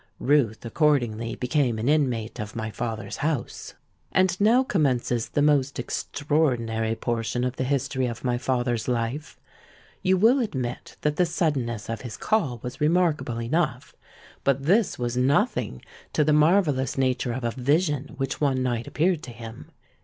Ruth accordingly became an inmate of my father's house. "And now commences the most extraordinary portion of the history of my father's life. You will admit that the suddenness of his 'call' was remarkable enough; but this was nothing to the marvellous nature of a vision which one night appeared to him.